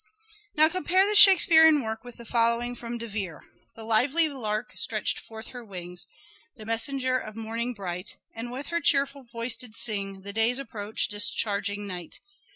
Now compare this Shakespearean work with the following from De Vere :—" The lively lark stretched forth her wings The messenger of morning bright ; And with her cheerful voice did sing The Day's approach discharging Night.